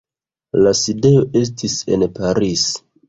La sidejo estis en Paris.